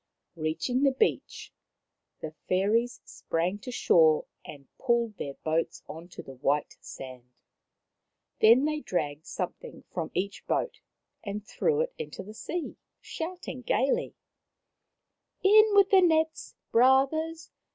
Reaching the beach, the fairies sprang to shore and pulled their boats on to the white sand. Then they dragged something from each boat and threw it into the sea, shouting gaily :" In with the nets, brothers